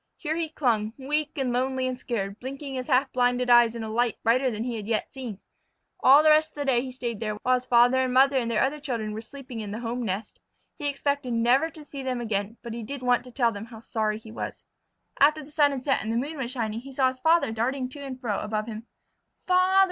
Here he clung, weak and lonely and scared, blinking his half blinded eyes in a light brighter than he had yet seen. All the rest of that day he stayed there, while his father and mother and their other children were sleeping in the home nest. He expected never to see them again, but he did want to tell them how sorry he was. After the sun had set and the moon was shining, he saw his father darting to and fro above him. "Father!"